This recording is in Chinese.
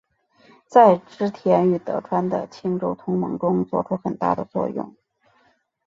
在织田与德川的清洲同盟中作出很大的作用。